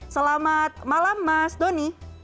selamat malam mas doni